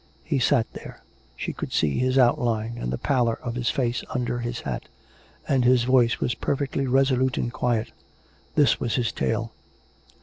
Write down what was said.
He sat there; she could see his outline and the pallor of his face under his hat, and his voice was perfectly resolute and quiet. This was his tale.